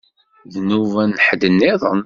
D nnuba n ḥedd-nniḍen.